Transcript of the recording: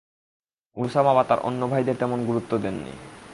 তিনি উসামা বা তার অন্য ভাইদের তেমন গুরুত্ব দেননি।